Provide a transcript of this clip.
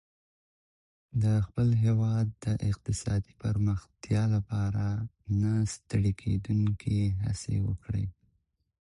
د خپل هېواد د اقتصادي پرمختيا لپاره نه ستړې کېدونکې هڅي وکړئ.